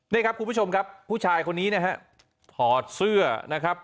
นี่ครับคุณผู้ชมครับผู้ชายคนนี้นะฮะถอดเสื้อนะครับ